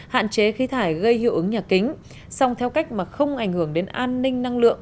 hạn chế khí thải gây hiệu ứng nhà kính song theo cách mà không ảnh hưởng đến an ninh năng lượng